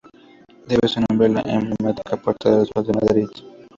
Debe su nombre a la emblemática Puerta del Sol de Madrid.